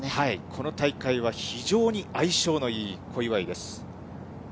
この大会は非常に相性のいい小祝です。